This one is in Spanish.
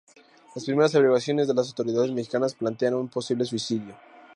Las primeras averiguaciones de las autoridades mexicanas plantean un posible suicidio.